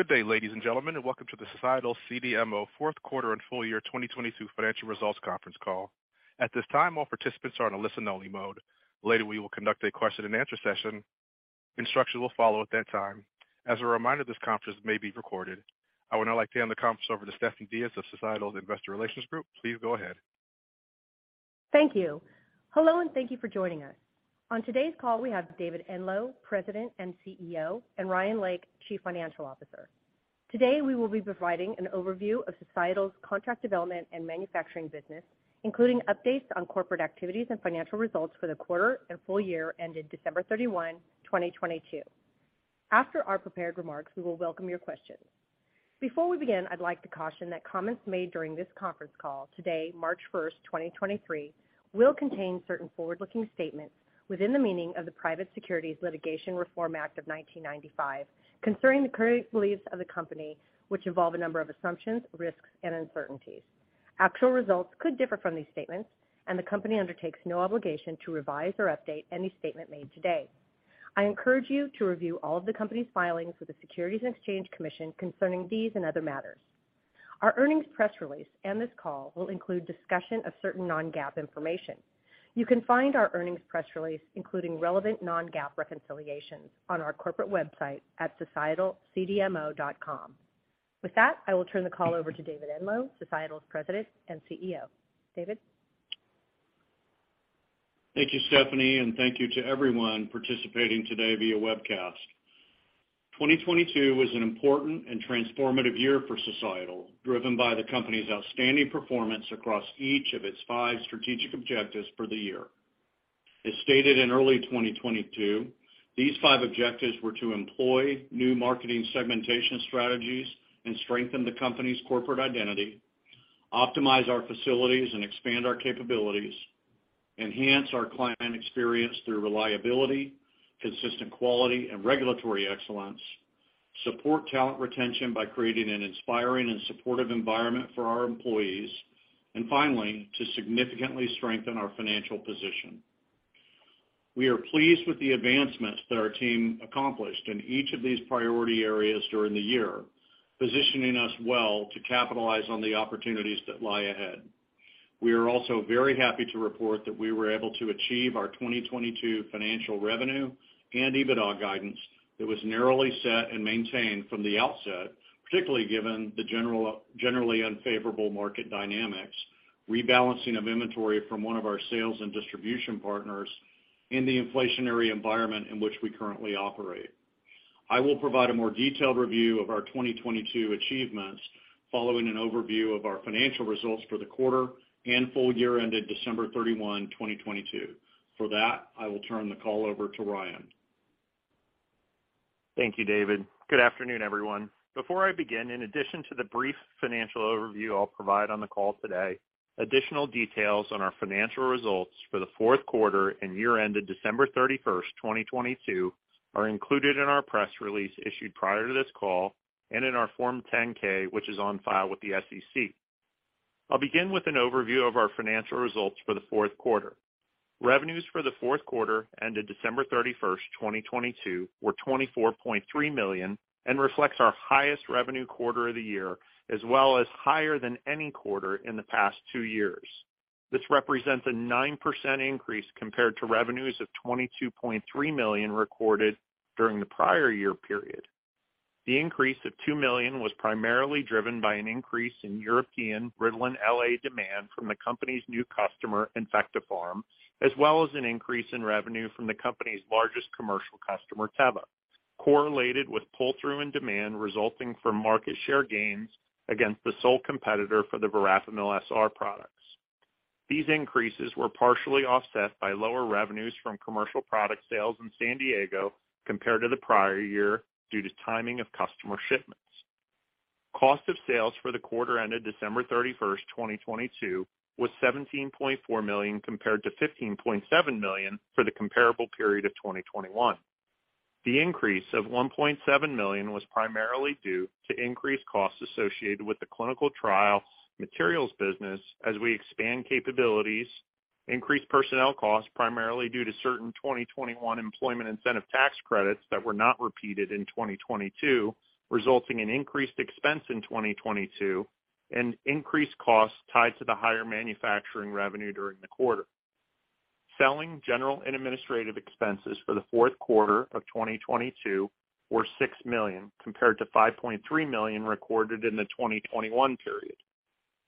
Good day, ladies and gentlemen, and welcome to the Societal CDMO fourth quarter and full year 2022 financial results conference call. At this time, all participants are in a listen-only mode. Later, we will conduct a question-and-answer session. Instructions will follow at that time. As a reminder, this conference may be recorded. I would now like to hand the conference over to Stephanie Diaz of Societal's investor relations group. Please go ahead. Thank you. Hello, and thank you for joining us. On today's call, we have David Enloe, President and CEO, and Ryan Lake, Chief Financial Officer. Today, we will be providing an overview of Societal's contract development and manufacturing business, including updates on corporate activities and financial results for the quarter and full year ended December 31, 2022. After our prepared remarks, we will welcome your questions. Before we begin, I'd like to caution that comments made during this conference call today, March 1st, 2023, will contain certain forward-looking statements within the meaning of the Private Securities Litigation Reform Act of 1995 concerning the current beliefs of the company, which involve a number of assumptions, risks, and uncertainties. Actual results could differ from these statements, and the company undertakes no obligation to revise or update any statement made today. I encourage you to review all of the company's filings with the Securities and Exchange Commission concerning these and other matters. Our earnings press release and this call will include discussion of certain non-GAAP information. You can find our earnings press release, including relevant non-GAAP reconciliations, on our corporate website at societalcdmo.com. With that, I will turn the call over to David Enloe, Societal's President and CEO. David? Thank you, Stephanie, and thank you to everyone participating today via webcast. 2022 was an important and transformative year for Societal, driven by the company's outstanding performance across each of its five strategic objectives for the year. As stated in early 2022, these five objectives were to employ new marketing segmentation strategies and strengthen the company's corporate identity, optimize our facilities and expand our capabilities, enhance our client experience through reliability, consistent quality, and regulatory excellence, support talent retention by creating an inspiring and supportive environment for our employees, and finally, to significantly strengthen our financial position. We are pleased with the advancements that our team accomplished in each of these priority areas during the year, positioning us well to capitalize on the opportunities that lie ahead. We are also very happy to report that we were able to achieve our 2022 financial revenue and EBITDA guidance that was narrowly set and maintained from the outset, particularly given the generally unfavorable market dynamics, rebalancing of inventory from one of our sales and distribution partners in the inflationary environment in which we currently operate. I will provide a more detailed review of our 2022 achievements following an overview of our financial results for the quarter and full year ended December 31, 2022. For that, I will turn the call over to Ryan. Thank you, David. Good afternoon, everyone. Before I begin, in addition to the brief financial overview I'll provide on the call today, additional details on our financial results for the fourth quarter and year ended December 31st, 2022, are included in our press release issued prior to this call and in our Form 10-K, which is on file with the SEC. I'll begin with an overview of our financial results for the fourth quarter. Revenues for the fourth quarter ended December 31st, 2022, were $24.3 million and reflects our highest revenue quarter of the year as well as higher than any quarter in the past two years. This represents a 9% increase compared to revenues of $22.3 million recorded during the prior year period. The increase of $2 million was primarily driven by an increase in European Ritalin LA demand from the company's new customer, InfectoPharm, as well as an increase in revenue from the company's largest commercial customer, Teva, correlated with pull-through and demand resulting from market share gains against the sole competitor for the Verapamil XR products. These increases were partially offset by lower revenues from commercial product sales in San Diego compared to the prior year due to timing of customer shipments. Cost of sales for the quarter ended December 31st, 2022, was $17.4 million compared to $15.7 million for the comparable period of 2021. The increase of $1.7 million was primarily due to increased costs associated with the clinical trials materials business as we expand capabilities, increased personnel costs, primarily due to certain 2021 employment incentive tax credits that were not repeated in 2022, resulting in increased expense in 2022 and increased costs tied to the higher manufacturing revenue during the quarter. Selling general and administrative expenses for the fourth quarter of 2022 were $6 million, compared to $5.3 million recorded in the 2021 period.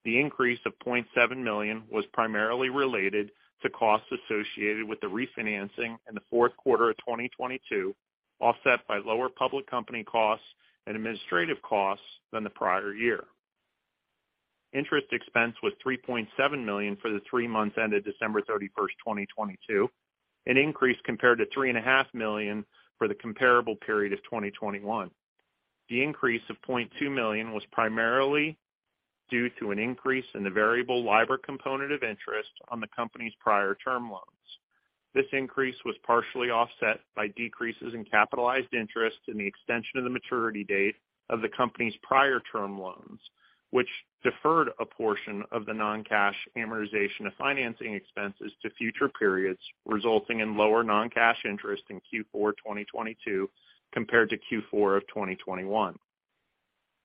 The increase of $0.7 million was primarily related to costs associated with the refinancing in the fourth quarter of 2022, offset by lower public company costs and administrative costs than the prior year. Interest expense was $3.7 million for the 3 months ended December 31st, 2022, an increase compared to $3.5 million for the comparable period of 2021. The increase of $0.2 million was primarily due to an increase in the variable LIBOR component of interest on the company's prior term loans. Which deferred a portion of the non-cash amortization of financing expenses to future periods, resulting in lower non-cash interest in Q4 2022 compared to Q4 of 2021.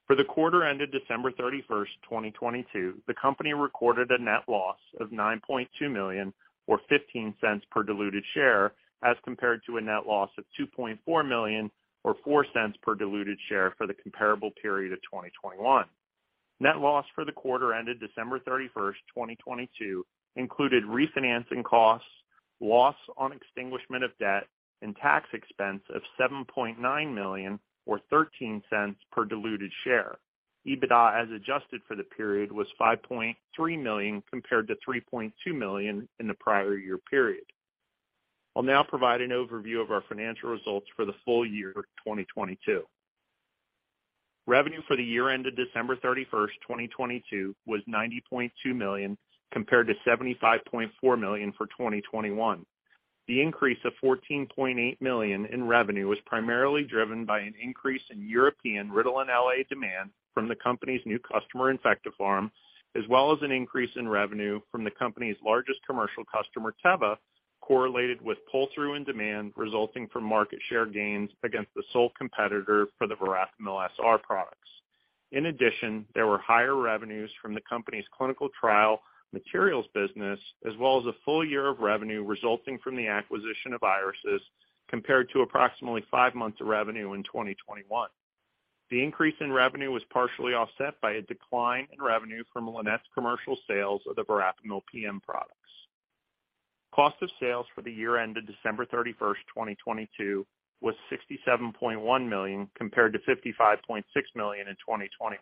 For the quarter ended December 31st, 2022, the company recorded a net loss of $9.2 million, or $0.15 per diluted share, as compared to a net loss of $2.4 million, or $0.04 per diluted share for the comparable period of 2021. Net loss for the quarter ended December 31st, 2022 included refinancing costs, loss on extinguishment of debt, and tax expense of $7.9 million or $0.13 per diluted share. EBITDA as adjusted for the period was $5.3 million compared to $3.2 million in the prior year period. I'll now provide an overview of our financial results for the full year 2022. Revenue for the year ended December 31st, 2022 was $90.2 million compared to $75.4 million for 2021. The increase of $14.8 million in revenue was primarily driven by an increase in European Ritalin LA demand from the company's new customer, InfectoPharm, as well as an increase in revenue from the company's largest commercial customer, Teva, correlated with pull-through in demand resulting from market share gains against the sole competitor for the Verapamil SR products. In addition, there were higher revenues from the company's clinical trial materials business, as well as a full year of revenue resulting from the acquisition of IriSys, compared to approximately 5 months of revenue in 2021. The increase in revenue was partially offset by a decline in revenue from Lannett's commercial sales of the Verapamil PM products. Cost of sales for the year ended December 31st-first, 2022 was $67.1 million compared to $55.6 million in 2021.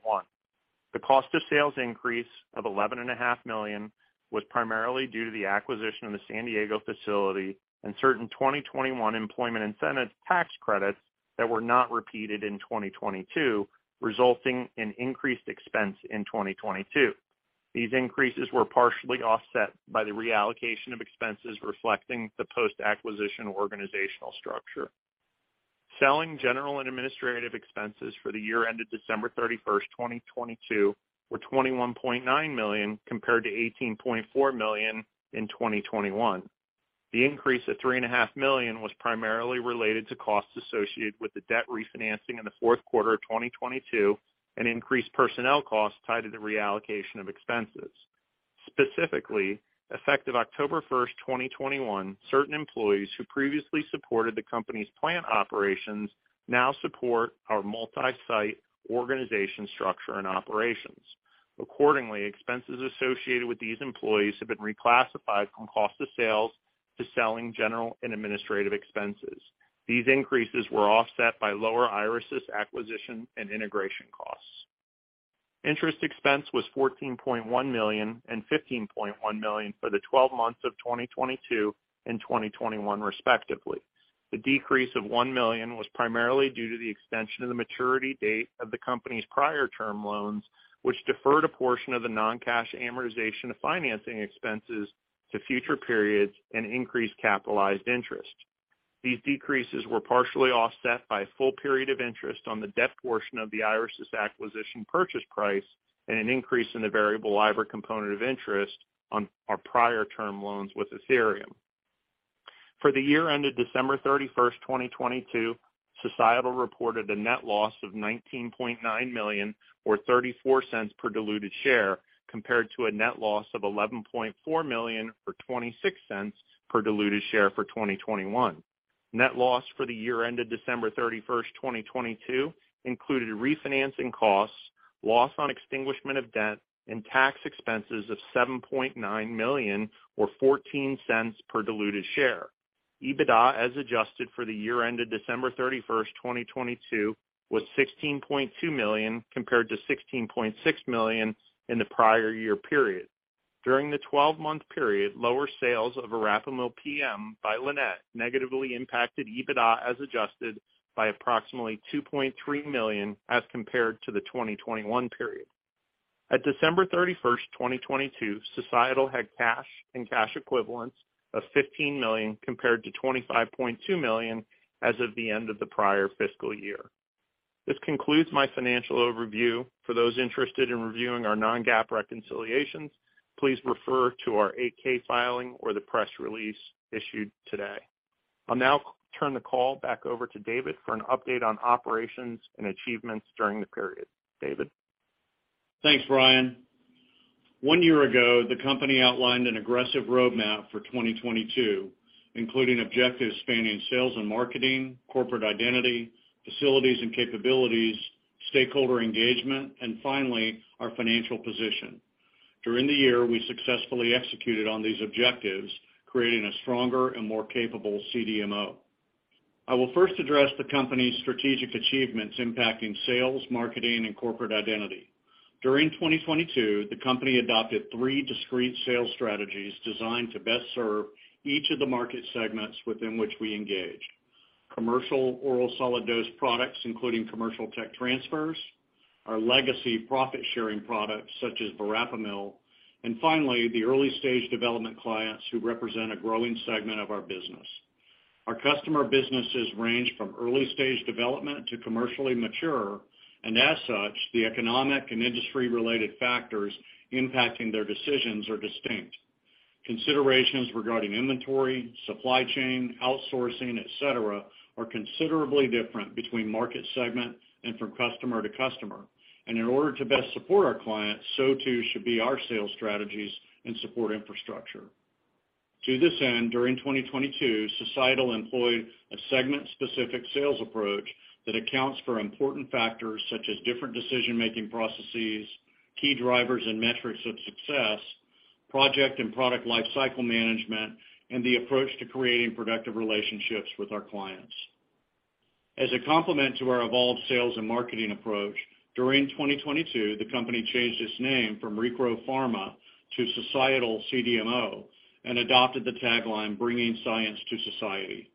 The cost of sales increase of $11.5 million was primarily due to the acquisition of the San Diego facility and certain 2021 employment incentive tax credits that were not repeated in 2022, resulting in increased expense in 2022. These increases were partially offset by the reallocation of expenses reflecting the post-acquisition organizational structure. Selling, general, and administrative expenses for the year ended December 31st, 2022 were $21.9 million compared to $18.4 million in 2021. The increase of $3.5 million was primarily related to costs associated with the debt refinancing in the fourth quarter of 2022 and increased personnel costs tied to the reallocation of expenses. Specifically, effective October 1st, 2021, certain employees who previously supported the company's plant operations now support our multi-site organization structure and operations. Accordingly, expenses associated with these employees have been reclassified from cost of sales to selling, general, and administrative expenses. These increases were offset by lower IriSys acquisition and integration costs. Interest expense was $14.1 million and $15.1 million for the 12 months of 2022 and 2021, respectively. The decrease of $1 million was primarily due to the extension of the maturity date of the company's prior term loans, which deferred a portion of the non-cash amortization of financing expenses to future periods and increased capitalized interest. These decreases were partially offset by a full period of interest on the debt portion of the IriSys acquisition purchase price and an increase in the variable LIBOR component of interest on our prior term loans with Athyrium. For the year ended December 31st, 2022, Societal reported a net loss of $19.9 million or $0.34 per diluted share, compared to a net loss of $11.4 million or $0.26 per diluted share for 2021. Net loss for the year ended December 31st, 2022 included refinancing costs, loss on extinguishment of debt, and tax expenses of $7.9 million or $0.14 per diluted share. EBITDA, as adjusted for the year ended December 31st, 2022 was $16.2 million compared to $16.6 million in the prior year period. During the 12-month period, lower sales of Verapamil PM by Lannett negatively impacted EBITDA as adjusted by approximately $2.3 million as compared to the 2021 period. At December 31st, 2022, Societal had cash and cash equivalents of $15 million compared to $25.2 million as of the end of the prior fiscal year. This concludes my financial overview. For those interested in reviewing our non-GAAP reconciliations, please refer to our 8-K filing or the press release issued today. I'll now turn the call back over to David for an update on operations and achievements during the period. David? Thanks, Ryan. One year ago, the company outlined an aggressive roadmap for 2022, including objectives spanning sales and marketing, corporate identity, facilities and capabilities, stakeholder engagement, and finally, our financial position. During the year, we successfully executed on these objectives, creating a stronger and more capable CDMO. I will first address the company's strategic achievements impacting sales, marketing, and corporate identity. During 2022, the company adopted three discrete sales strategies designed to best serve each of the market segments within which we engage. Commercial oral solid dose products, including commercial tech transfers, our legacy profit-sharing products such as Verapamil, and finally, the early-stage development clients who represent a growing segment of our business. Our customer businesses range from early stage development to commercially mature, and as such, the economic and industry-related factors impacting their decisions are distinct. Considerations regarding inventory, supply chain, outsourcing, et cetera, are considerably different between market segment and from customer to customer. In order to best support our clients, so too should be our sales strategies and support infrastructure. To this end, during 2022, Societal employed a segment-specific sales approach that accounts for important factors such as different decision-making processes, key drivers and metrics of success, project and product life cycle management, and the approach to creating productive relationships with our clients. As a complement to our evolved sales and marketing approach, during 2022, the company changed its name from Recro Pharma to Societal CDMO and adopted the tagline, Bringing Science to Society.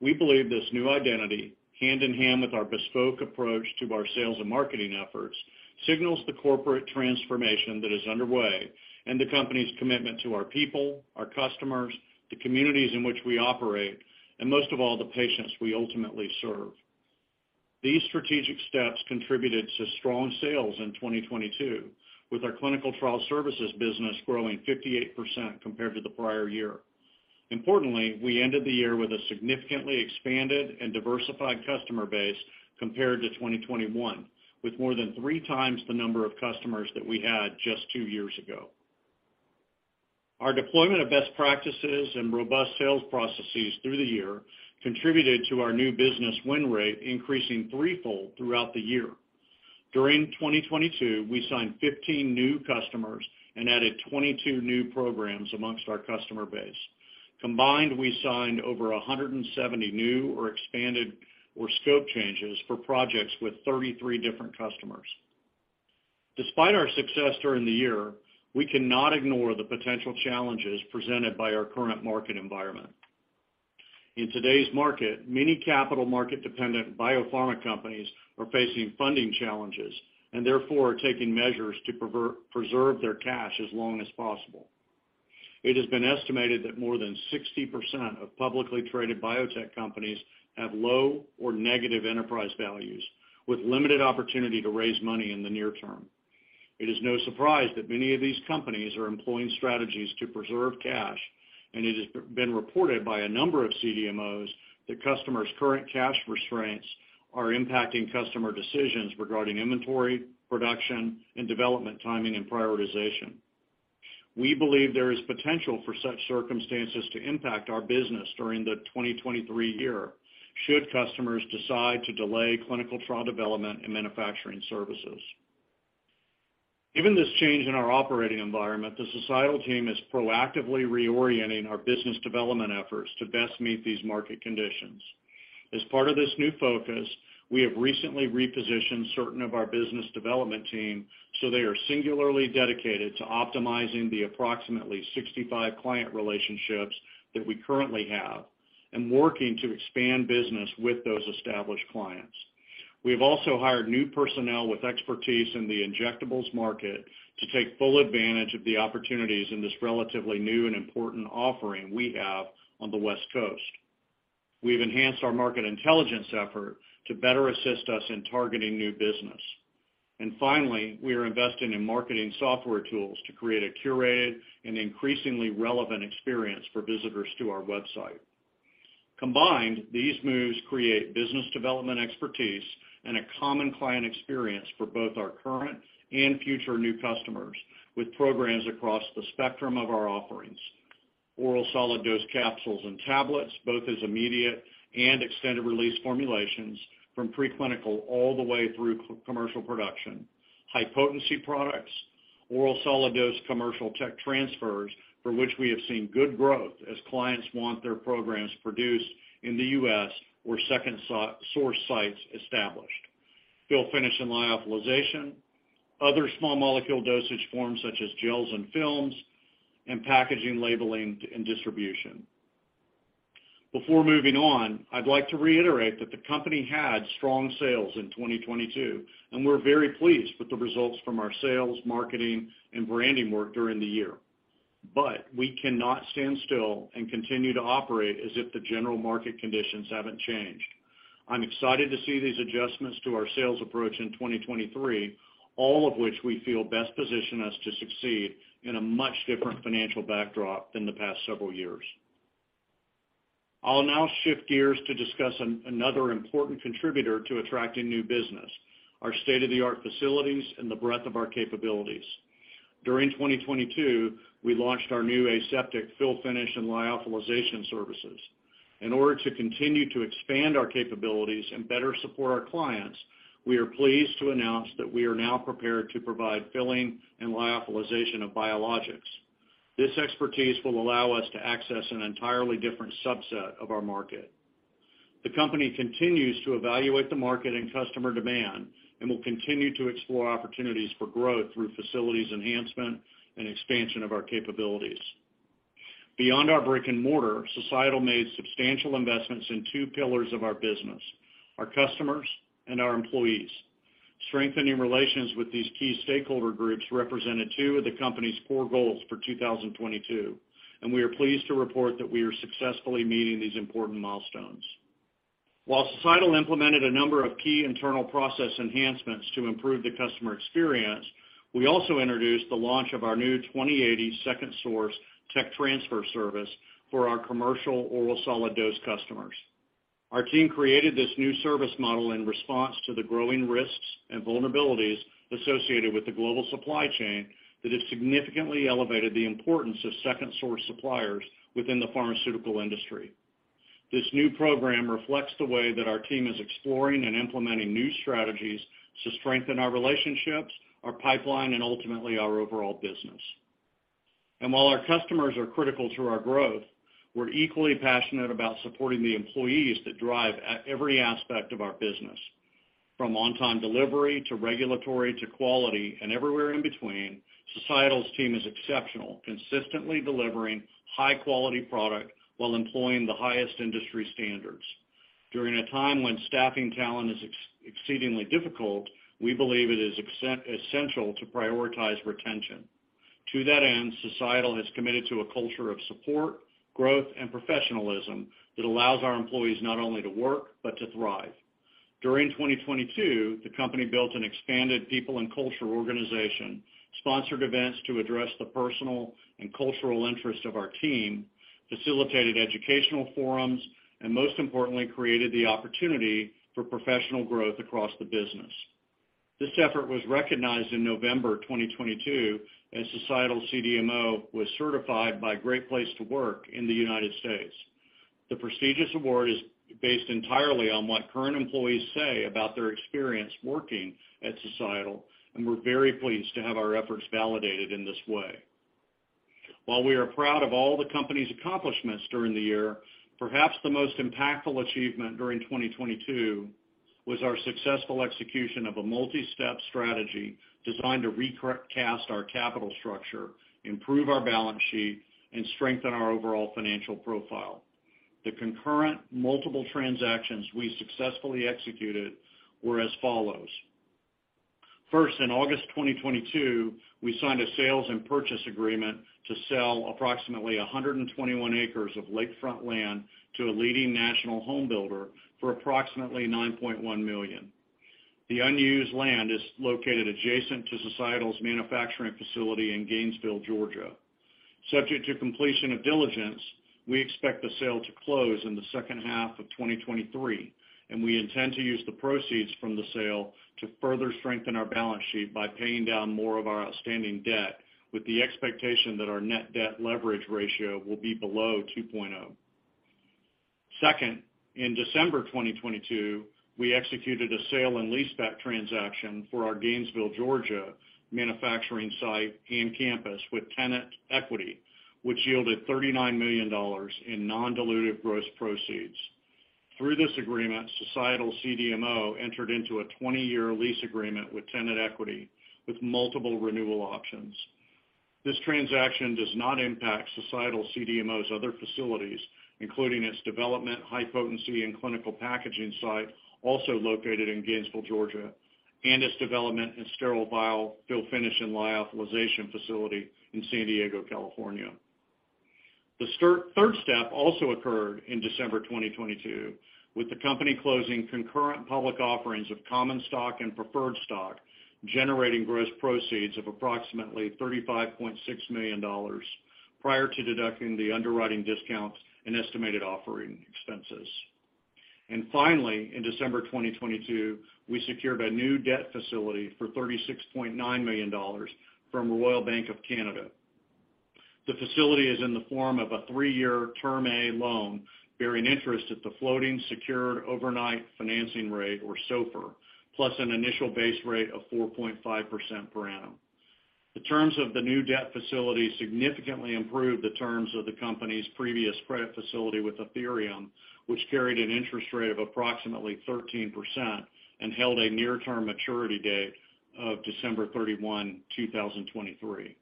We believe this new identity, hand in hand with our bespoke approach to our sales and marketing efforts, signals the corporate transformation that is underway and the company's commitment to our people, our customers, the communities in which we operate, and most of all, the patients we ultimately serve. These strategic steps contributed to strong sales in 2022, with our clinical trial services business growing 58% compared to the prior year. Importantly, we ended the year with a significantly expanded and diversified customer base compared to 2021, with more than 3 times the number of customers that we had just 2 years ago. Our deployment of best practices and robust sales processes through the year contributed to our new business win rate increasing threefold throughout the year. During 2022, we signed 15 new customers and added 22 new programs amongst our customer base. Combined, we signed over 170 new or expanded or scope changes for projects with 33 different customers. Despite our success during the year, we cannot ignore the potential challenges presented by our current market environment. In today's market, many capital market-dependent biopharma companies are facing funding challenges and therefore are taking measures to preserve their cash as long as possible. It has been estimated that more than 60% of publicly traded biotech companies have low or negative enterprise values, with limited opportunity to raise money in the near term. It is no surprise that many of these companies are employing strategies to preserve cash, and it has been reported by a number of CDMOs that customers' current cash restraints are impacting customer decisions regarding inventory, production, and development timing and prioritization. We believe there is potential for such circumstances to impact our business during the 2023 year should customers decide to delay clinical trial development and manufacturing services. Given this change in our operating environment, the Societal team is proactively reorienting our business development efforts to best meet these market conditions. As part of this new focus, we have recently repositioned certain of our business development team so they are singularly dedicated to optimizing the approximately 65 client relationships that we currently have and working to expand business with those established clients. We have also hired new personnel with expertise in the injectables market to take full advantage of the opportunities in this relatively new and important offering we have on the West Coast. We've enhanced our market intelligence effort to better assist us in targeting new business. Finally, we are investing in marketing software tools to create a curated and increasingly relevant experience for visitors to our website. Combined, these moves create business development expertise and a common client experience for both our current and future new customers with programs across the spectrum of our offerings, oral solid dose capsules and tablets, both as immediate and extended-release formulations from preclinical all the way through commercial production, high-potency products, oral solid dose commercial tech transfers for which we have seen good growth as clients want their programs produced in the U.S. or second source sites established, fill finish, and lyophilization, other small molecule dosage forms such as gels and films, and packaging, labeling, and distribution. Before moving on, I'd like to reiterate that the company had strong sales in 2022, and we're very pleased with the results from our sales, marketing, and branding work during the year. We cannot stand still and continue to operate as if the general market conditions haven't changed. I'm excited to see these adjustments to our sales approach in 2023, all of which we feel best position us to succeed in a much different financial backdrop than the past several years. I'll now shift gears to discuss another important contributor to attracting new business, our state-of-the-art facilities and the breadth of our capabilities. During 2022, we launched our new aseptic fill, finish, and lyophilization services. In order to continue to expand our capabilities and better support our clients, we are pleased to announce that we are now prepared to provide filling and lyophilization of biologics. This expertise will allow us to access an entirely different subset of our market. The company continues to evaluate the market and customer demand and will continue to explore opportunities for growth through facilities enhancement and expansion of our capabilities. Beyond our brick-and-mortar, Societal made substantial investments in two pillars of our business, our customers and our employees. Strengthening relations with these key stakeholder groups represented two of the company's core goals for 2022. We are pleased to report that we are successfully meeting these important milestones. While Societal implemented a number of key internal process enhancements to improve the customer experience, we also introduced the launch of our new 20/80 Second Source Technical Transfer service for our commercial oral solid dose customers. Our team created this new service model in response to the growing risks and vulnerabilities associated with the global supply chain that has significantly elevated the importance of second-source suppliers within the pharmaceutical industry. This new program reflects the way that our team is exploring and implementing new strategies to strengthen our relationships, our pipeline, and ultimately, our overall business. While our customers are critical to our growth, we're equally passionate about supporting the employees that drive at every aspect of our business. From on-time delivery to regulatory to quality and everywhere in between, Societal's team is exceptional, consistently delivering high-quality product while employing the highest industry standards. During a time when staffing talent is exceedingly difficult, we believe it is essential to prioritize retention. To that end, Societal has committed to a culture of support, growth, and professionalism that allows our employees not only to work but to thrive. During 2022, the company built an expanded people and culture organization, sponsored events to address the personal and cultural interests of our team, facilitated educational forums, and most importantly, created the opportunity for professional growth across the business. This effort was recognized in November 2022 as Societal CDMO was certified by Great Place to Work in the United States. The prestigious award is based entirely on what current employees say about their experience working at Societal, and we're very pleased to have our efforts validated in this way. While we are proud of all the company's accomplishments during the year, perhaps the most impactful achievement during 2022 was our successful execution of a multi-step strategy designed to recast our capital structure, improve our balance sheet, and strengthen our overall financial profile. The concurrent multiple transactions we successfully executed were as follows. First, in August 2022, we signed a sales and purchase agreement to sell approximately 121 acres of lakefront land to a leading national home builder for approximately $9.1 million. The unused land is located adjacent to Societal's manufacturing facility in Gainesville, Georgia. Subject to completion of diligence, we expect the sale to close in the second half of 2023. We intend to use the proceeds from the sale to further strengthen our balance sheet by paying down more of our outstanding debt, with the expectation that our net debt leverage ratio will be below 2.0. Second, in December 2022, we executed a sale and leaseback transaction for our Gainesville, Georgia, manufacturing site and campus with Tenet Equity, which yielded $39 million in non-dilutive gross proceeds. Through this agreement, Societal CDMO entered into a 20-year lease agreement with Tenet Equity with multiple renewal options. This transaction does not impact Societal CDMO's other facilities, including its development, high potency, and clinical packaging site, also located in Gainesville, Georgia, and its development in sterile vial fill finish and lyophilization facility in San Diego, California. The third step also occurred in December 2022, with the company closing concurrent public offerings of common stock and preferred stock, generating gross proceeds of approximately $35.6 million prior to deducting the underwriting discounts and estimated offering expenses. Finally, in December 2022, we secured a new debt facility for $36.9 million from Royal Bank of Canada. The facility is in the form of a three-year Term A Loan bearing interest at the floating secured overnight financing rate, or SOFR, plus an initial base rate of 4.5% per annum. The terms of the new debt facility significantly improved the terms of the company's previous credit facility with Athyrium, which carried an interest rate of approximately 13% and held a near-term maturity date of December 31, 2023.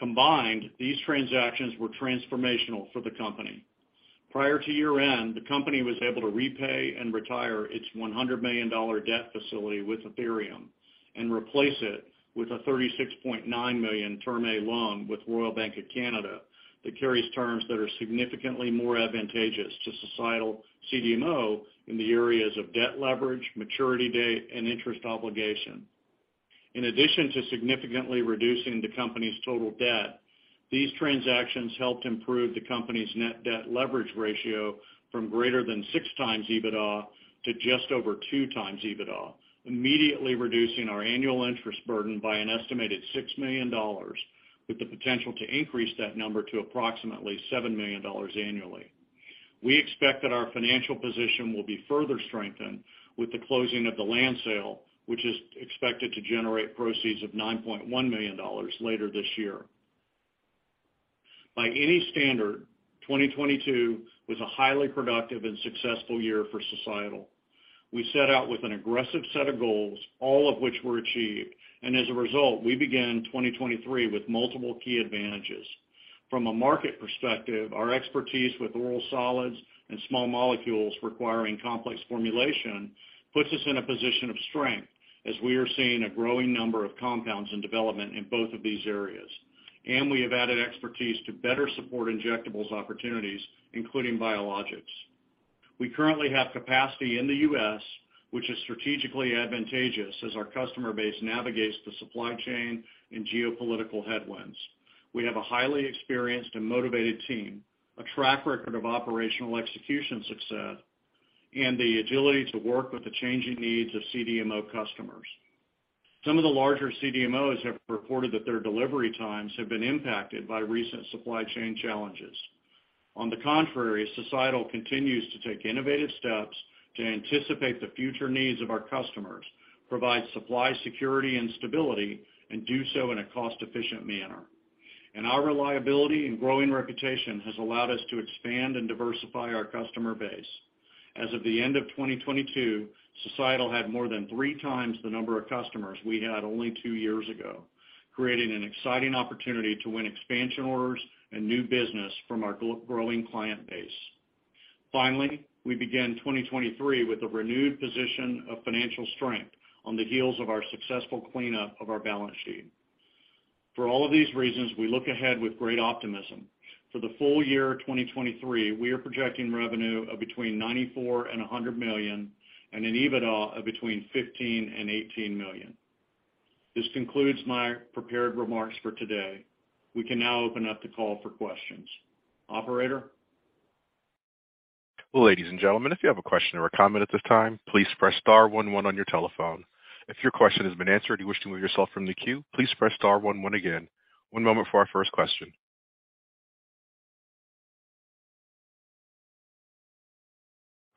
Combined, these transactions were transformational for the company. Prior to year-end, the company was able to repay and retire its $100 million debt facility with Athyrium and replace it with a $36.9 million Term A Loan with Royal Bank of Canada that carries terms that are significantly more advantageous to Societal CDMO in the areas of debt leverage, maturity date, and interest obligation. In addition to significantly reducing the company's total debt, these transactions helped improve the company's net debt leverage ratio from greater than six times EBITDA to just over two times EBITDA, immediately reducing our annual interest burden by an estimated $6 million, with the potential to increase that number to approximately $7 million annually. We expect that our financial position will be further strengthened with the closing of the land sale, which is expected to generate proceeds of $9.1 million later this year. By any standard, 2022 was a highly productive and successful year for Societal. We set out with an aggressive set of goals, all of which were achieved, as a result, we began 2023 with multiple key advantages. From a market perspective, our expertise with oral solids and small molecules requiring complex formulation puts us in a position of strength as we are seeing a growing number of compounds in development in both of these areas. We have added expertise to better support injectables opportunities, including biologics. We currently have capacity in the U.S., which is strategically advantageous as our customer base navigates the supply chain and geopolitical headwinds. We have a highly experienced and motivated team, a track record of operational execution success, and the agility to work with the changing needs of CDMO customers. Some of the larger CDMOs have reported that their delivery times have been impacted by recent supply chain challenges. On the contrary, Societal continues to take innovative steps to anticipate the future needs of our customers, provide supply security and stability, and do so in a cost-efficient manner. Our reliability and growing reputation has allowed us to expand and diversify our customer base. As of the end of 2022, Societal had more than 3 times the number of customers we had only 2 years ago, creating an exciting opportunity to win expansion orders and new business from our growing client base. Finally, we began 2023 with a renewed position of financial strength on the heels of our successful cleanup of our balance sheet. For all of these reasons, we look ahead with great optimism. For the full year 2023, we are projecting revenue of between $94 million and $100 million and an EBITDA of between $15 million and $18 million. This concludes my prepared remarks for today. We can now open up the call for questions. Operator? Ladies and gentlemen, if you have a question or a comment at this time, please press star one one on your telephone. If your question has been answered and you wish to remove yourself from the queue, please press star one one again. One moment for our first question.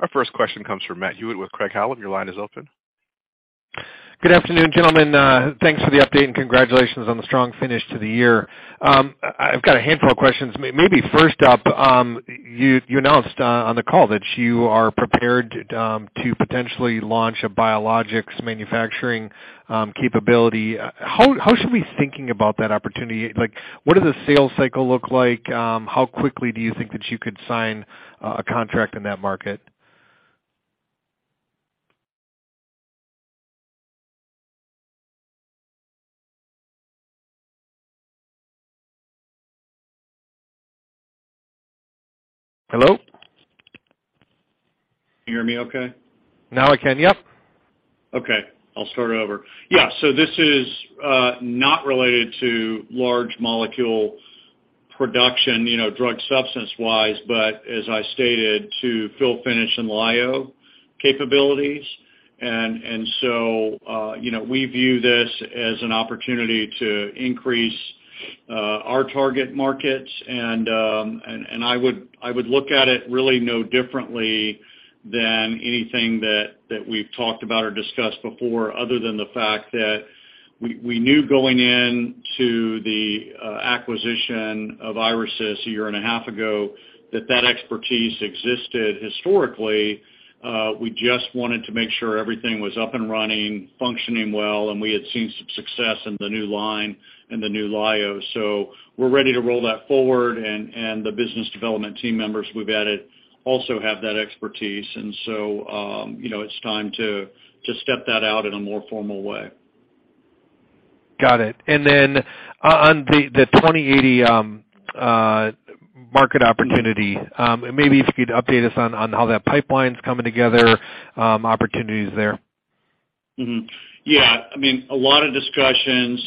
Our first question comes from Matt Hewitt with Craig-Hallum. Your line is open. Good afternoon, gentlemen. Thanks for the update, congratulations on the strong finish to the year. I've got a handful of questions. Maybe first up, you announced on the call that you are prepared to potentially launch a biologics manufacturing capability. How should we be thinking about that opportunity? Like, what does the sales cycle look like? How quickly do you think that you could sign a contract in that market? Hello? Can you hear me okay? Now I can. Yep. Okay. I'll start over. Yeah. This is not related to large molecule production, you know, drug substance-wise, but as I stated, to fill finish and lyo capabilities. You know, we view this as an opportunity to increase our target markets. I would look at it really no differently than anything that we've talked about or discussed before other than the fact that we knew going into the acquisition of IriSys a year and a half ago that expertise existed historically. We just wanted to make sure everything was up and running, functioning well, and we had seen some success in the new lyo. We're ready to roll that forward and the business development team members we've added also have that expertise. You know, it's time to step that out in a more formal way. Got it. On the 20/80 market opportunity, maybe if you could update us on how that pipeline's coming together, opportunities there? Yeah. I mean, a lot of discussions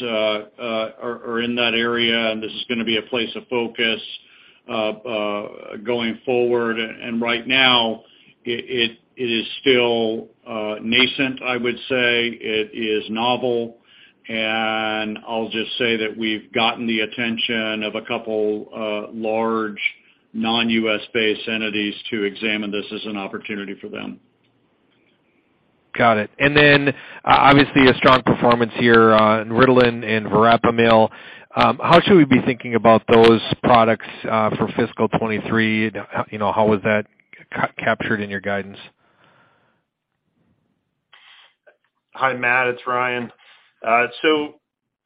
are in that area, and this is gonna be a place of focus going forward. Right now, it is still nascent, I would say. It is novel, and I'll just say that we've gotten the attention of a couple large non-U.S.-based entities to examine this as an opportunity for them. Got it. Obviously a strong performance here in Ritalin and Verapamil. How should we be thinking about those products for fiscal 2023? You know, how was that captured in your guidance? Hi, Matt, it's Ryan.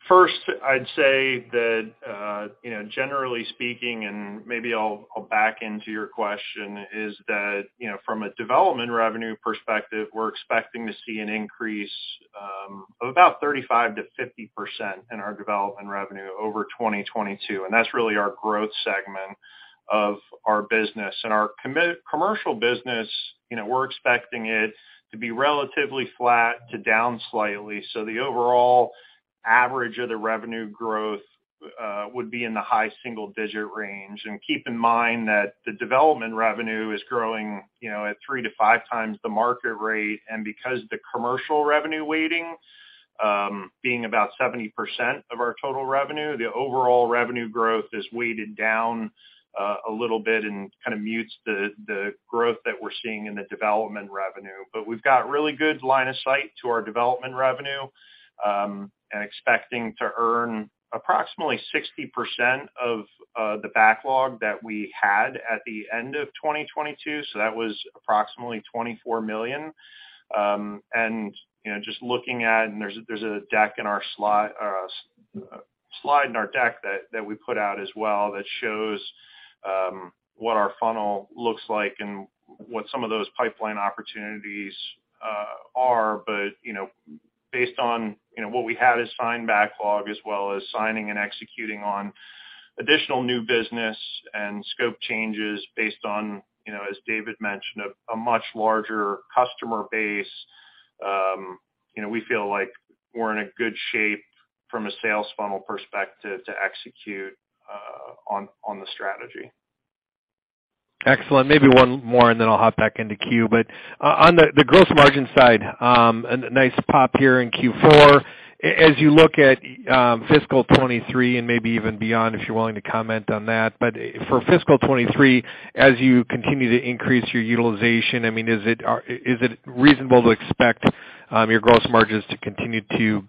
First I'd say that, you know, generally speaking, maybe I'll back into your question, is that, you know, from a development revenue perspective, we're expecting to see an increase of about 35%-50% in our development revenue over 2022, and that's really our growth segment of our business. In our commercial business, you know, we're expecting it to be relatively flat to down slightly. The overall average of the revenue growth would be in the high single-digit range. Keep in mind that the development revenue is growing, you know, at 3 to 5 times the market rate. Because the commercial revenue weighting, being about 70% of our total revenue, the overall revenue growth is weighted down a little bit and kind of mutes the growth that we're seeing in the development revenue. We've got really good line of sight to our development revenue, and expecting to earn approximately 60% of the backlog that we had at the end of 2022. That was approximately $24 million. You know, just looking at, and there's a deck in our slide in our deck that we put out as well that shows, what our funnel looks like and what some of those pipeline opportunities are. You know, based on, you know, what we have as signed backlog, as well as signing and executing on additional new business and scope changes based on, you know, as David mentioned, a much larger customer base, you know, we feel like we're in a good shape from a sales funnel perspective to execute on the strategy. Excellent. Maybe one more, and then I'll hop back into queue. On the gross margin side, a nice pop here in Q4. As you look at fiscal 2023 and maybe even beyond, if you're willing to comment on that, but for fiscal 2023, as you continue to increase your utilization, I mean, is it reasonable to expect your gross margins to continue to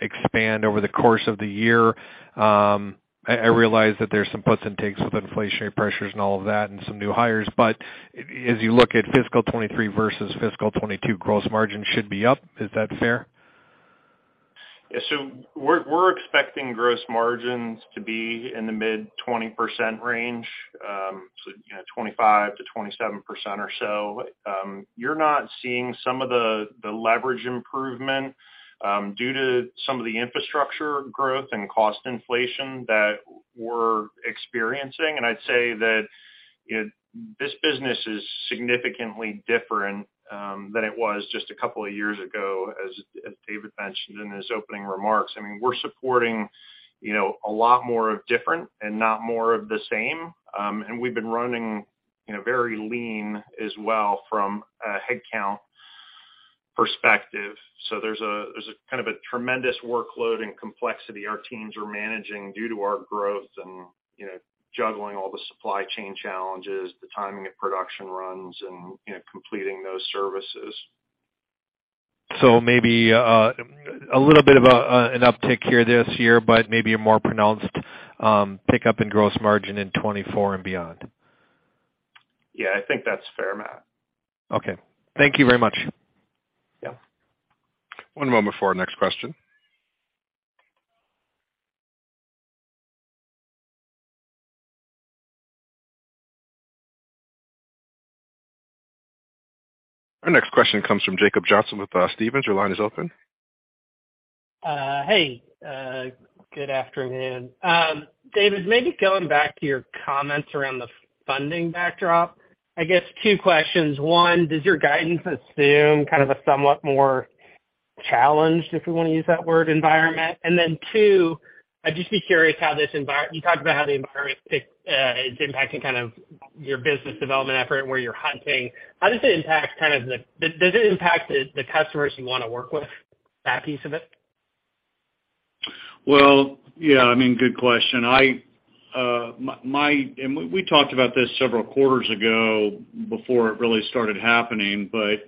expand over the course of the year? I realize that there's some puts and takes with inflationary pressures and all of that and some new hires, but as you look at fiscal 2023 versus fiscal 2022, gross margin should be up. Is that fair? Yeah. We're, we're expecting gross margins to be in the mid-20% range, so, you know, 25%-27% or so. You're not seeing some of the leverage improvement due to some of the infrastructure growth and cost inflation that we're experiencing. I'd say that this business is significantly different than it was just a couple of years ago, as David mentioned in his opening remarks. I mean, we're supporting, you know, a lot more of different and not more of the same. We've been running, you know, very lean as well from a headcount perspective. There's a, there's a kind of a tremendous workload and complexity our teams are managing due to our growth and, you know, juggling all the supply chain challenges, the timing of production runs and, you know, completing those services. Maybe, a little bit of an uptick here this year, but maybe a more pronounced pickup in gross margin in 2024 and beyond. Yeah, I think that's fair, Matt. Okay. Thank you very much. Yeah. One moment for our next question. Our next question comes from Jacob Johnson with Stephens. Your line is open. Hey, good afternoon. David, maybe going back to your comments around the funding backdrop, I guess two questions. One, does your guidance assume kind of a somewhat more challenged, if you wanna use that word, environment? Two, I'd just be curious how this environment you talked about how the environment is impacting kind of your business development effort and where you're hunting. How does it impact kind of the, did it impact the customers you wanna work with, that piece of it? Well, yeah, I mean, good question. We talked about this several quarters ago before it really started happening. I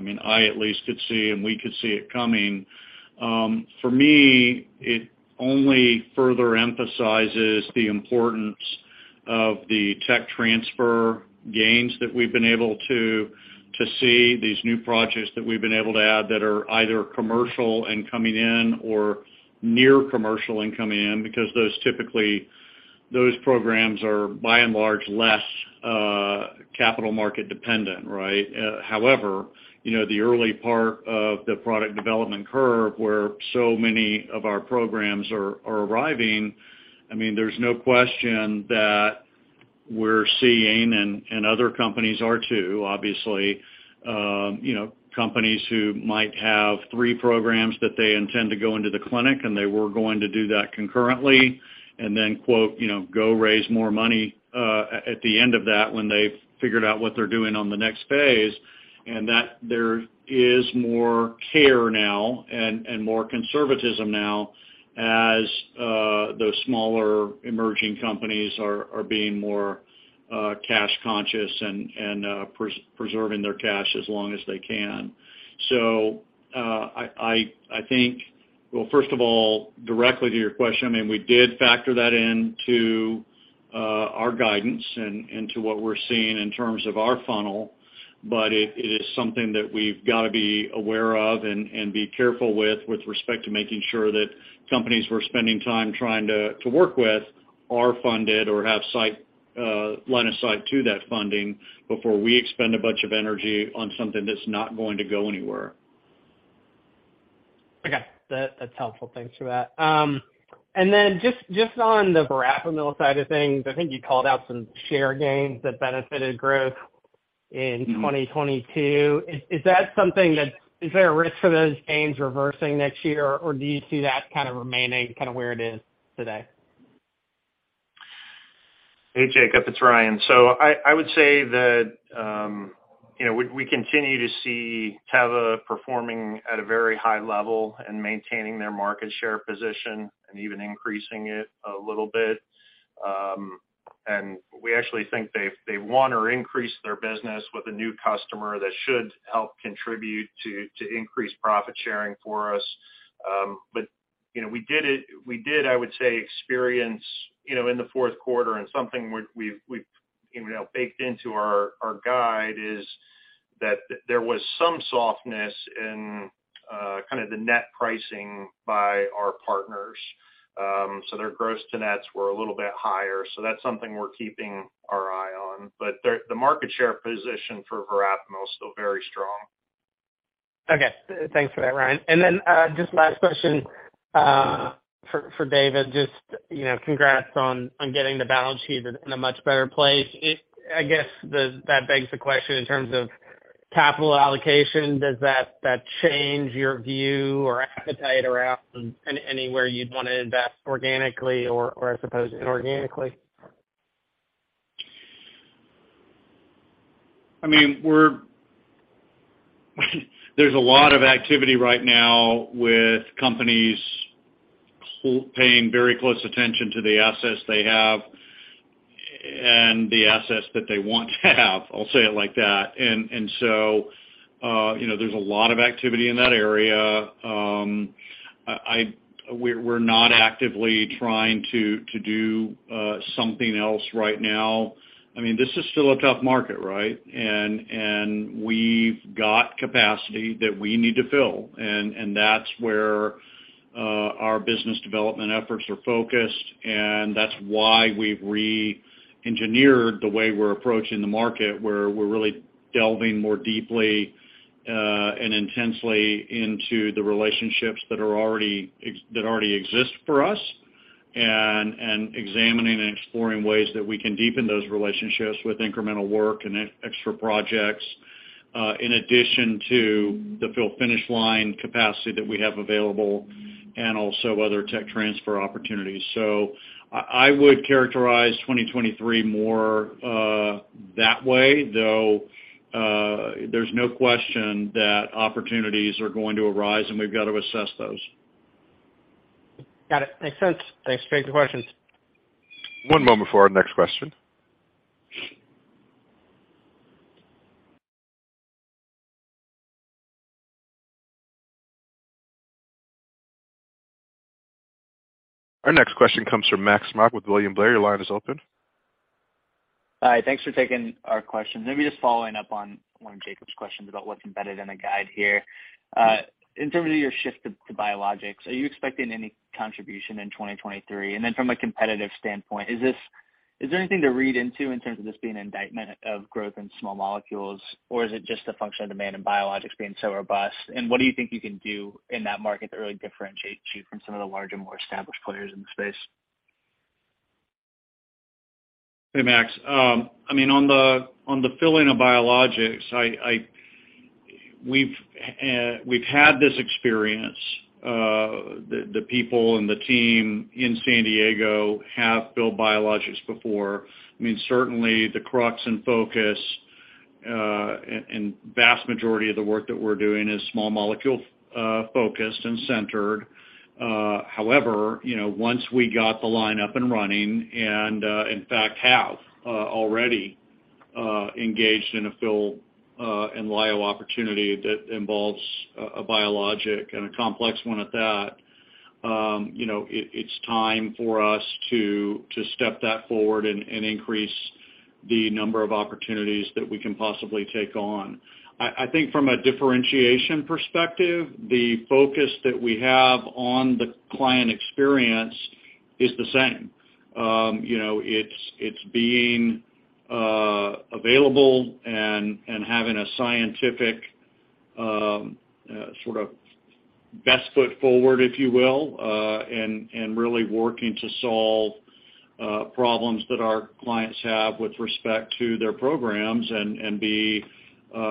mean, I at least could see, and we could see it coming. For me, it only further emphasizes the importance of the tech transfer gains that we've been able to see these new projects that we've been able to add that are either commercial and coming in or near commercial and coming in because those typically, those programs are by and large, less, capital market dependent, right? However, you know, the early part of the product development curve where so many of our programs are arriving, I mean, there's no question that we're seeing and other companies are too, obviously, you know, companies who might have three programs that they intend to go into the clinic, and they were going to do that concurrently, and then quote, you know, go raise more money at the end of that when they've figured out what they're doing on the next phase, and that there is more care now and more conservatism now as those smaller emerging companies are being more cash conscious and preserving their cash as long as they can. I think. Well, first of all, directly to your question, I mean, we did factor that into our guidance and to what we're seeing in terms of our funnel. It is something that we've gotta be aware of and be careful with respect to making sure that companies we're spending time trying to work with are funded or have sight, line of sight to that funding before we expend a bunch of energy on something that's not going to go anywhere. Okay. That's helpful. Thanks for that. Then just on the Verapamil side of things, I think you called out some share gains that benefited growth in 2022. Is there a risk for those gains reversing next year, or do you see that kind of remaining kind of where it is today? Hey, Jacob, it's Ryan. I would say that, you know, we continue to see Teva performing at a very high level and maintaining their market share position and even increasing it a little bit. We actually think they've won or increased their business with a new customer that should help contribute to increase profit sharing for us. You know, we did, I would say, experience, you know, in the fourth quarter and something we've, you know, baked into our guide is that there was some softness in kind of the net pricing by our partners. Their gross to nets were a little bit higher, that's something we're keeping our eye on. The market share position for Verapamil is still very strong. Okay. Thanks for that, Ryan. Then, just last question, for David, just, you know, congrats on getting the balance sheet in a much better place. I guess that begs the question in terms of capital allocation, does that change your view or appetite around anywhere you'd wanna invest organically or I suppose inorganically? I mean, there's a lot of activity right now with companies paying very close attention to the assets they have and the assets that they want to have. I'll say it like that. You know, there's a lot of activity in that area. We're not actively trying to do something else right now. I mean, this is still a tough market, right? We've got capacity that we need to fill, and that's where our business development efforts are focused, and that's why we've reengineered the way we're approaching the market, where we're really delving more deeply and intensely into the relationships that already exist for us and examining and exploring ways that we can deepen those relationships with incremental work and extra projects, in addition to the fill finish line capacity that we have available and also other tech transfer opportunities. I would characterize 2023 more that way, though, there's no question that opportunities are going to arise, and we've got to assess those. Got it. Makes sense. Thanks for taking the questions. One moment for our next question. Our next question comes from Max Smock with William Blair. Your line is open. Hi. Thanks for taking our question. Maybe just following up on one of Jacob's questions about what's embedded in the guide here. In terms of your shift to biologics, are you expecting any contribution in 2023? From a competitive standpoint, is there anything to read into in terms of this being an indictment of growth in small molecules, or is it just a function of demand in biologics being so robust? What do you think you can do in that market that really differentiates you from some of the larger, more established players in the space? Hey, Max. I mean, on the filling of biologics, we've had this experience. The people and the team in San Diego have filled biologics before. I mean, certainly the crux and focus, and vast majority of the work that we're doing is small molecule focused and centered. However, you know, once we got the line up and running, and in fact have already engaged in a fill and lyo opportunity that involves a biologic and a complex one at that, you know, it's time for us to step that forward and increase the number of opportunities that we can possibly take on. I think from a differentiation perspective, the focus that we have on the client experience is the same. You know, it's being available and having a scientific sort of best foot forward, if you will, and really working to solve problems that our clients have with respect to their programs and be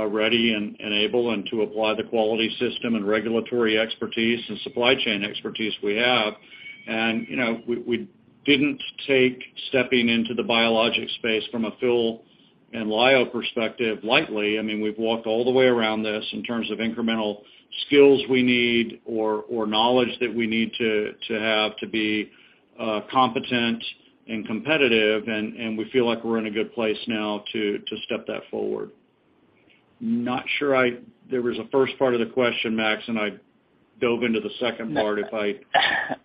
ready and able and to apply the quality system and regulatory expertise and supply chain expertise we have. You know, we didn't take stepping into the biologic space from a fill and lyo perspective lightly. I mean, we've walked all the way around this in terms of incremental skills we need or knowledge that we need to have to be competent and competitive, and we feel like we're in a good place now to step that forward. Not sure there was a first part of the question, Max, and I dove into the second part if didn't answer it relayed. All good.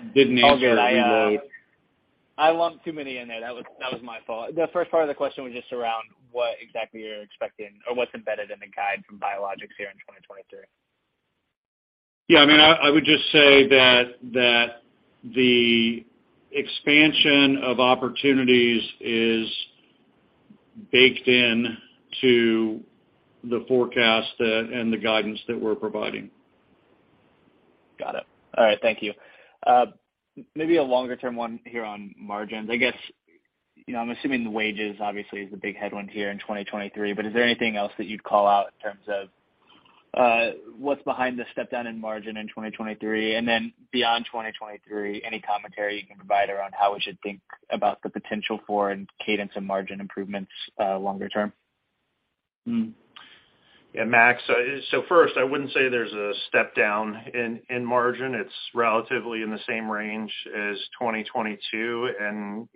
I lumped too many in there. That was my fault. The first part of the question was just around what exactly you're expecting or what's embedded in the guide from biologics here in 2023. I mean, I would just say that the expansion of opportunities is baked in to the forecast, and the guidance that we're providing. Got it. All right, thank you. Maybe a longer term one here on margins. I guess, you know, I'm assuming the wages obviously is the big headline here in 2023, but is there anything else that you'd call out in terms of, what's behind the step down in margin in 2023? Then beyond 2023, any commentary you can provide around how we should think about the potential for cadence and margin improvements, longer term? Yeah, Max. First, I wouldn't say there's a step down in margin. It's relatively in the same range as 2022. You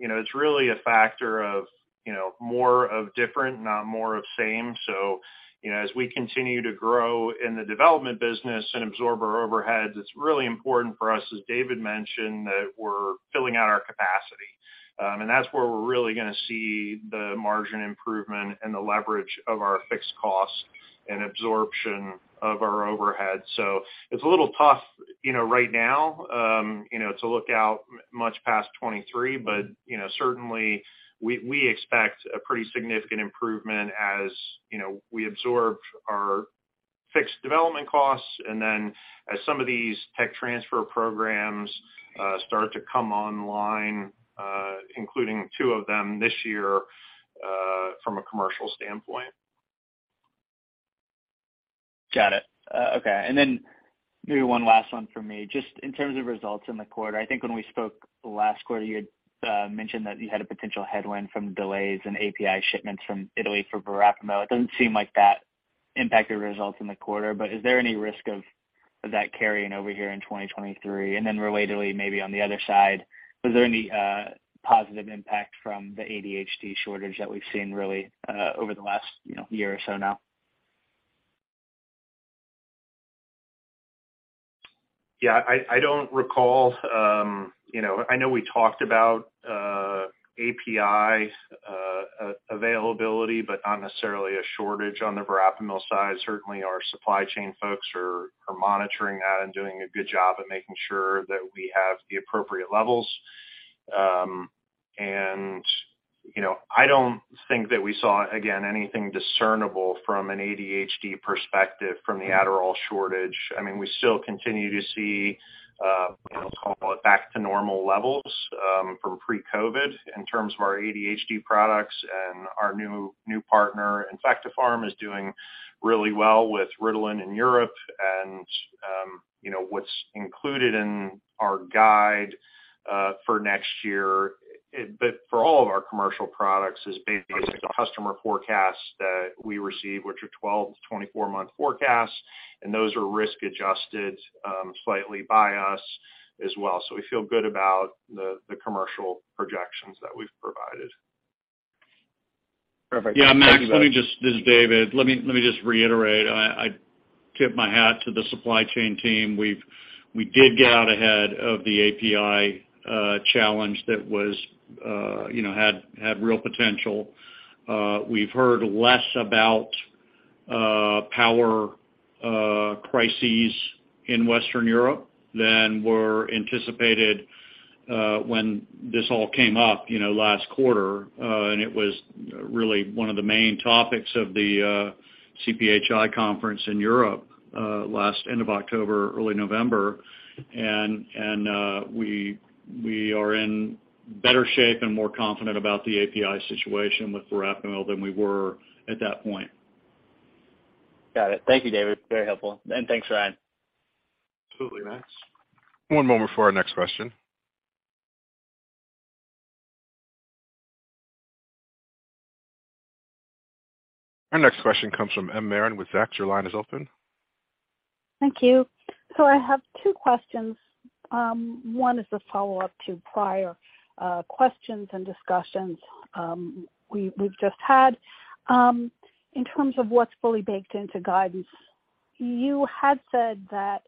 know, it's really a factor of, you know, more of different, not more of same. You know, as we continue to grow in the development business and absorb our overheads, it's really important for us, as David mentioned, that we're filling out our capacity. That's where we're really gonna see the margin improvement and the leverage of our fixed costs and absorption of our overhead. It's a little tough, you know, right now, you know, to look out much past 2023, but, you know, certainly we expect a pretty significant improvement as, you know, we absorb our fixed development costs and then as some of these tech transfer programs start to come online, including two of them this year, from a commercial standpoint. Got it. Okay. Maybe one last one for me. Just in terms of results in the quarter, I think when we spoke last quarter, you mentioned that you had a potential headwind from delays in API shipments from Italy for Verapamil. It doesn't seem like that impacted results in the quarter, but is there any risk of that carrying over here in 2023? Relatedly, maybe on the other side, was there any positive impact from the ADHD shortage that we've seen really, over the last, you know, year or so now? I don't recall. You know, I know we talked about API availability, but not necessarily a shortage on the Verapamil side. Certainly, our supply chain folks are monitoring that and doing a good job at making sure that we have the appropriate levels. You know, I don't think that we saw, again, anything discernible from an ADHD perspective from the Adderall shortage. I mean, we still continue to see, you know, call it back to normal levels from pre-COVID in terms of our ADHD products. Our new partner, InfectoPharm, is doing really well with Ritalin in Europe. You know, what's included in our guide for next year, but for all of our commercial products is basically the customer forecasts that we receive, which are 12- to 24-month forecasts, and those are risk-adjusted slightly by us as well. We feel good about the commercial projections that we've provided. Perfect. Yeah, Max, this is David. Let me just reiterate, I tip my hat to the supply chain team. We did get out ahead of the API challenge that was, you know, had real potential. We've heard less about power crises in Western Europe than were anticipated, when this all came up, you know, last quarter. It was really one of the main topics of the CPHI conference in Europe last end of October, early November. We are in better shape and more confident about the API situation with Verapamil than we were at that point. Got it. Thank you, David. Very helpful. Thanks, Ryan. Absolutely, Max. One moment for our next question. Our next question comes from M. Marin with Zacks. Your line is open. Thank you. I have two questions. One is a follow-up to prior questions and discussions we've just had. In terms of what's fully baked into guidance, you had said that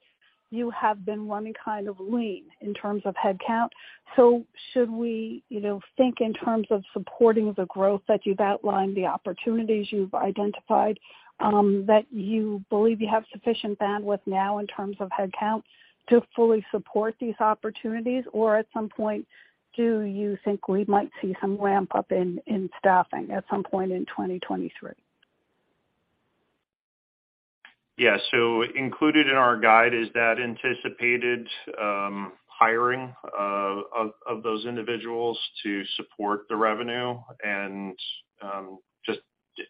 you have been running kind of lean in terms of headcount. Should we, you know, think in terms of supporting the growth that you've outlined, the opportunities you've identified, that you believe you have sufficient bandwidth now in terms of headcount to fully support these opportunities? Or at some point, do you think we might see some ramp-up in staffing at some point in 2023? Included in our guide is that anticipated hiring of those individuals to support the revenue. Just,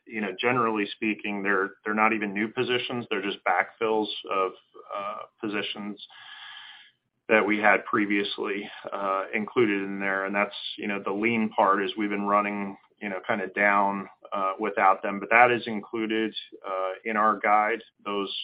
you know, generally speaking, they're not even new positions, they're just backfills of positions that we had previously included in there. That's, you know, the lean part is we've been running, you know, kinda down without them. That is included in our guide, those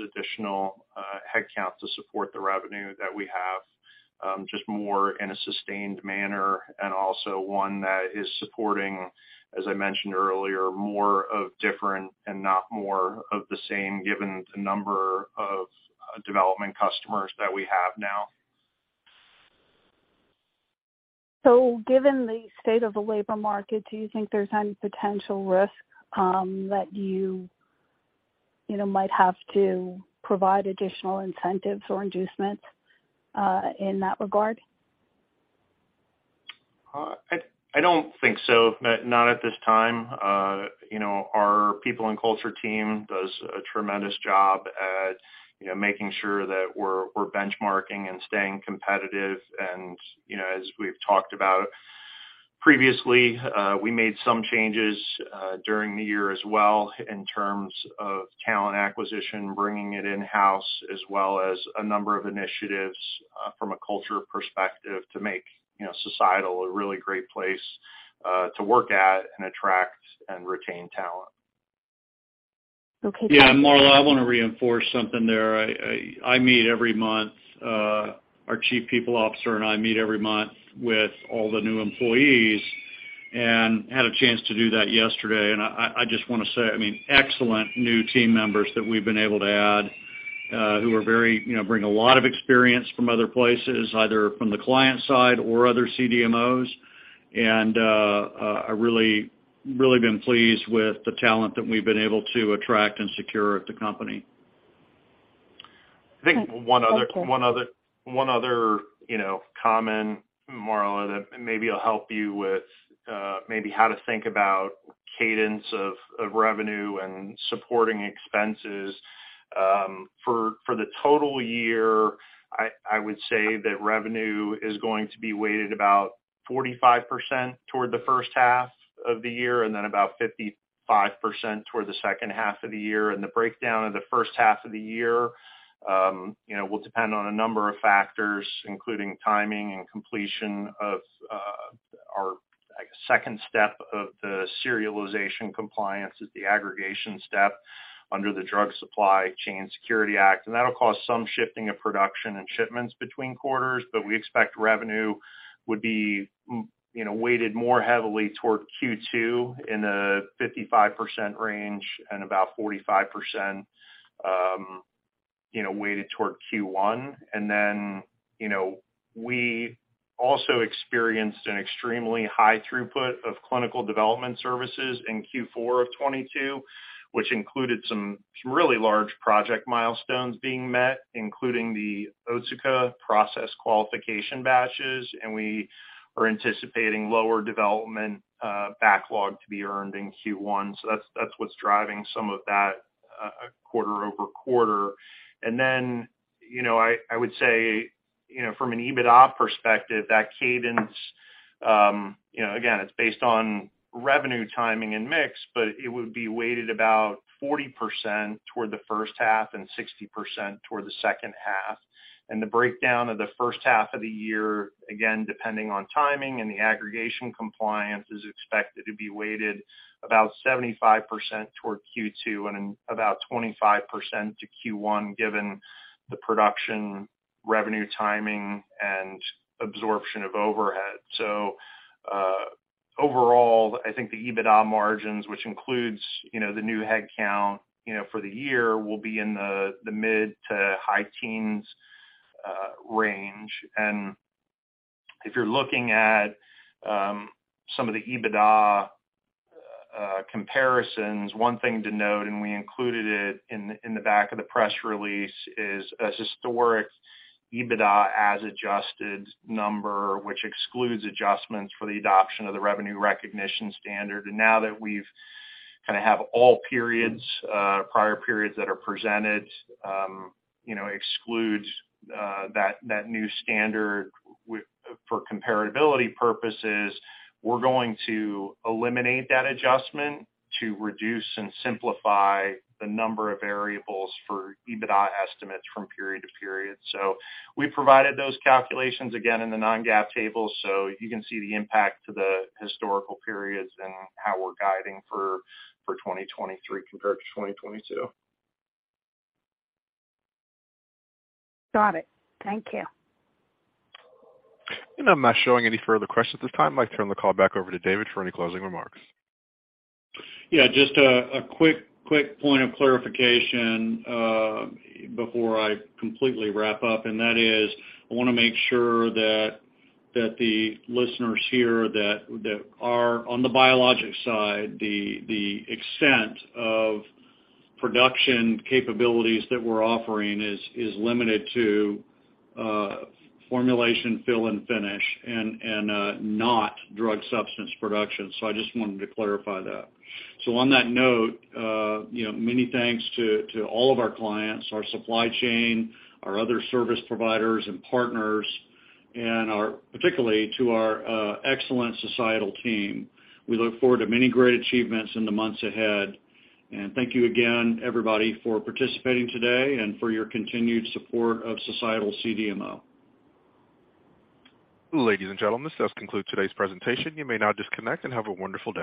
additional headcount to support the revenue that we have, just more in a sustained manner and also one that is supporting, as I mentioned earlier, more of different and not more of the same, given the number of development customers that we have now. Given the state of the labor market, do you think there's any potential risk, that you know, might have to provide additional incentives or inducements, in that regard? I don't think so, not at this time. You know, our people and culture team does a tremendous job at, you know, making sure that we're benchmarking and staying competitive. You know, as we've talked about previously, we made some changes during the year as well in terms of talent acquisition, bringing it in-house, as well as a number of initiatives from a culture perspective to make, you know, Societal a really great place to work at and attract and retain talent. Okay. Yeah, Marla, I wanna reinforce something there. I meet every month, our chief people officer and I meet every month with all the new employees. Had a chance to do that yesterday, and I just wanna say, I mean, excellent new team members that we've been able to add, who are very, you know, bring a lot of experience from other places, either from the client side or other CDMOs. I really been pleased with the talent that we've been able to attract and secure at the company. I think one other, you know, comment, Marla, that maybe will help you with, maybe how to think about cadence of revenue and supporting expenses, for the total year. I would say that revenue is going to be weighted about 45% toward the first half of the year and then about 55% toward the second half of the year. The breakdown of the first half of the year, you know, will depend on a number of factors, including timing and completion of, our, I guess, second step of the serialization compliance is the aggregation step under the Drug Supply Chain Security Act. That'll cause some shifting of production and shipments between quarters, but we expect revenue would be, you know, weighted more heavily toward Q2 in a 55% range and about 45%, you know, weighted toward Q1. You know, we also experienced an extremely high throughput of clinical development services in Q4 of 2022, which included some really large project milestones being met, including the Otsuka process qualification batches, and we are anticipating lower development backlog to be earned in Q1. That's what's driving some of that quarter-over-quarter. You know, I would say, you know, from an EBITDA perspective, that cadence, you know, again, it's based on revenue timing and mix, but it would be weighted about 40% toward the first half and 60% toward the second half. The breakdown of the first half of the year, again, depending on timing and the aggregation compliance, is expected to be weighted about 75% toward Q2 and about 25% to Q1, given the production revenue timing and absorption of overhead. Overall, I think the EBITDA margins, which includes, you know, the new head count, you know, for the year, will be in the mid to high teens range. If you're looking at some of the EBITDA comparisons, one thing to note, and we included it in the back of the press release, is as historic EBITDA as adjusted number, which excludes adjustments for the adoption of the revenue recognition standard. Now that we've kind of have all periods, prior periods that are presented, you know, excludes that new standard for comparability purposes, we're going to eliminate that adjustment to reduce and simplify the number of variables for EBITDA estimates from period to period. We provided those calculations again in the non-GAAP tables, so you can see the impact to the historical periods and how we're guiding for 2023 compared to 2022. Got it. Thank you. I'm not showing any further questions at this time. I'd like to turn the call back over to David for any closing remarks. Just a quick point of clarification before I completely wrap up, and that is, I want to make sure that the listeners here that are on the biologic side, the extent of production capabilities that we're offering is limited to formulation fill and finish and not drug substance production. I just wanted to clarify that. On that note, you know, many thanks to all of our clients, our supply chain, our other service providers and partners, particularly to our excellent Societal team. We look forward to many great achievements in the months ahead. Thank you again, everybody, for participating today and for your continued support of Societal CDMO. Ladies and gentlemen, this does conclude today's presentation. You may now disconnect and have a wonderful day.